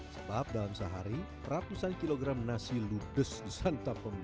sebab dalam sehari ratusan kilogram nasi ludes disantap pembeli